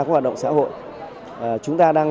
của hoạt động xã hội chúng ta đang